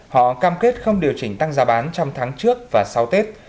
họ cam kết không điều chỉnh tăng giá bán trong tháng trước và sau tết